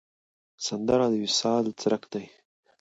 سندره د وصال څرک دی